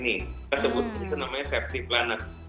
kita sebut itu namanya safety planet